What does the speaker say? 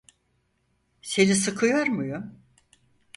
Seni sıkıyor muyum?